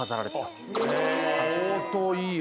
相当いい絵。